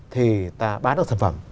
thì ta bán được thực phẩm